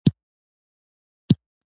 زه د راډیو پروګرام کې برخه اخلم.